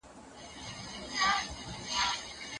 که بریا وي نو بریا ستا ده.